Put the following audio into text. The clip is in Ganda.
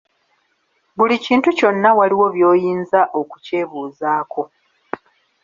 Buli kintu kyonna waliwo by'oyinza okukyebuuzaako.